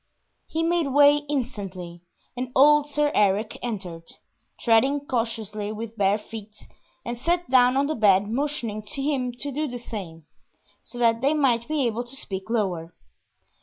He made way instantly, and old Sir Eric entered, treading cautiously with bare feet, and sat down on the bed motioning him to do the same, so that they might be able to speak lower.